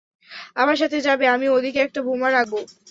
আমার সাথে যাবে, আমি ওদিকে একটা বোমা রাখবো।